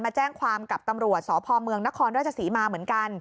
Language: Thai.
มาแจ้งความกับตำรวจสพเมืองนครราชศรีมาเหมือนกัน